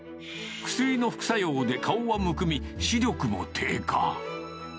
薬の副作用で顔はむくみ、視力も低下。